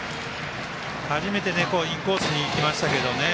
初めてインコースにいきましたけどね。